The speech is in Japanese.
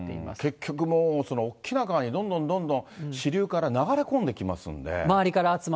結局もう、大きな川にどんどんどんどん支流から流れ込んできますので。